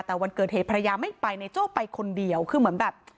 แต่วันเกิดเหตุภรรยาไม่ไปนายโจ้ไปคนเดียวคือเหมือนแบบ